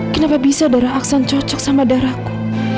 kenapa bisa darah aksan cocok sama darahku